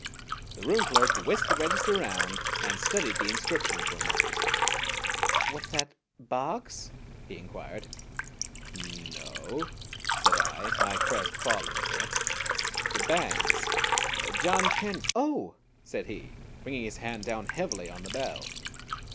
The room clerk whisked the register round and studied the inscription for a moment. "What's that Boggs?" he inquired. "No," said I, my crest falling a bit, "Bangs John Ken " "Oh," said he, bringing his hand down heavily on the bell.